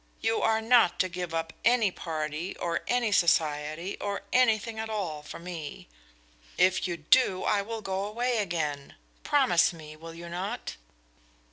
You are not to give up any party, or any society, or anything at all for me. If you do I will go away again. Promise me, will you not?"